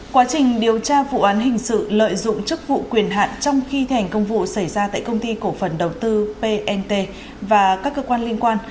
quá trình điều tra vụ án hình sự lợi dụng chức vụ quyền hạn trong khi thành công vụ xảy ra tại công ty cổ phần đầu tư pnt và các cơ quan liên quan